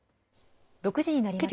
６時になりました。